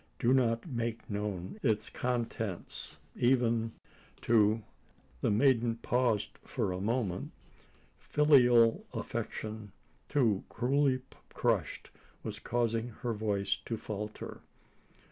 Do not make known its contents even to " The maiden paused for a moment. Filial affection, too cruelly crushed, was causing her voice to falter.